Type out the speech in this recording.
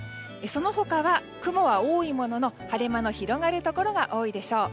その他は、雲は多いものの晴れ間の広がるところが多いでしょう。